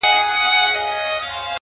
o وينه د وجود مي ده ژوندی يم پرې؛